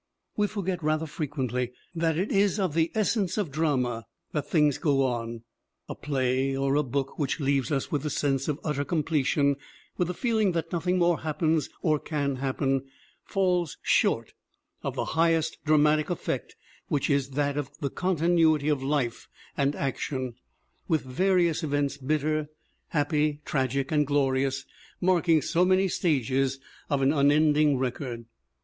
We forget rather frequently that it is of the essence of drama that things go on. A play or a book which leaves us with the sense of utter completion, with the feeling that nothing more happens or can happen, falls short of the highest dramatic effect which is that of continuity of life and action, with various events bitter, happy, tragic and glorious marking so many stages of an unending record.